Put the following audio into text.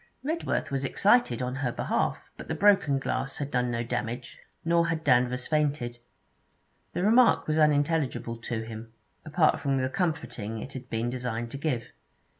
Redworth was excited on her behalf, but the broken glass had done no damage, nor had Danvers fainted. The remark was unintelligible to him, apart from the comforting it had been designed to give.